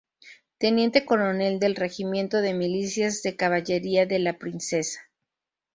Teniente Coronel del Regimiento de Milicias de Caballería de la Princesa.